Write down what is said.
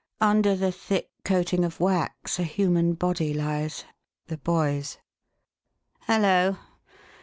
Under the thick coating of wax a human body lies the boy's! Hullo!